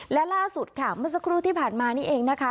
และล่าสุดค่ะเมื่อสักครู่ที่ผ่านมานี่เองนะคะ